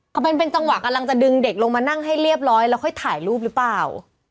ก็มันเป็นจังหวะกำลังจะดึงเด็กลงมานั่งให้เรียบร้อยแล้วค่อยถ่ายรูปหรือเปล่า